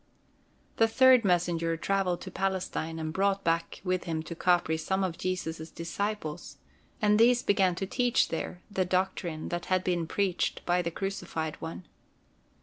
The third messenger traveled to Palestine and brought back with him to Capri some of Jesus' disciples, and these began to teach there the doctrine that had been preached by the Crucified One.